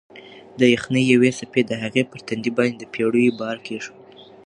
د یخنۍ یوې څپې د هغې پر تندي باندې د پېړیو بار کېښود.